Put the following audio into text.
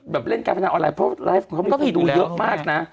เล่นการพนันออนไลน์เพราะไลฟ์เขามีคนดูเยอะมากนะ